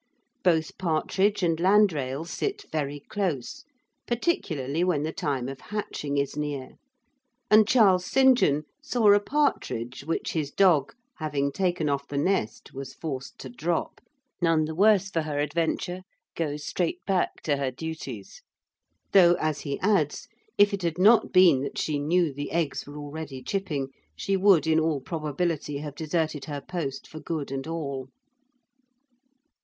Both partridge and landrail sit very close, particularly when the time of hatching is near, and Charles St. John saw a partridge, which his dog, having taken off the nest, was forced to drop, none the worse for her adventure, go straight back to her duties; though, as he adds, if it had not been that she knew that the eggs were already chipping she would in all probability have deserted her post for good and all.